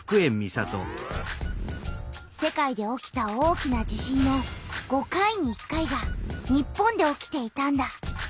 世界で起きた大きな地震の５回に１回が日本で起きていたんだ。